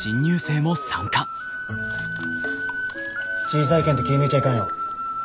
小さいけんって気ぃ抜いちゃいかんよ。